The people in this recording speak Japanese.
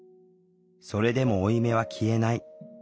それでも負い目は消えない。